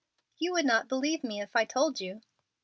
"You would not believe me if I told you."